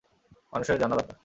মানুষের জানা দরকার!